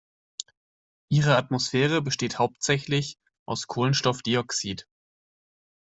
Ihre Atmosphäre besteht hauptsächlich aus Kohlenstoffdioxid.